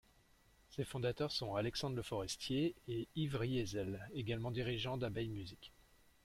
Ses fondateurs sont Alexandre Leforestier et Yves Riesel, également dirigeants d'Abeille Musique.